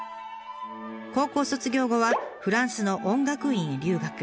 高校卒業後はフランスの音楽院へ留学。